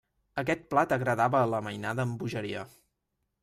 Aquest plat agradava a la mainada amb bogeria.